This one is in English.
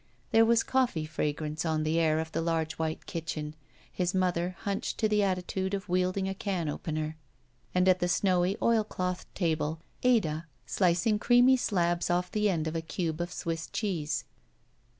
There was coffee fragrance on the air of the large white kitchen, his mother hunched to the attitude of wielding a can opener, and at the snowy oilclothed table, Ada, slicing creamy slabs off the end of a cube of Swiss cheese.